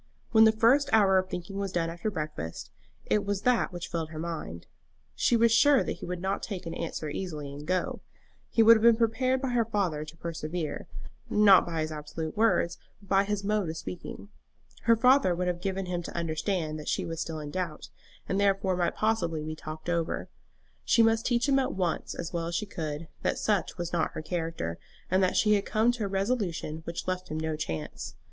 When the first hour of thinking was done after breakfast, it was that which filled her mind. She was sure that he would not take an answer easily and go. He would have been prepared by her father to persevere, not by his absolute words, but by his mode of speaking. Her father would have given him to understand that she was still in doubt, and therefore might possibly be talked over. She must teach him at once, as well as she could, that such was not her character, and that she had come to a resolution which left him no chance.